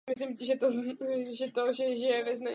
Hrál na pozici levého obránce.